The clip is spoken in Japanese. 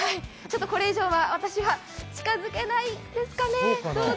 ちょっとこれ以上は、私は近づけないですかね。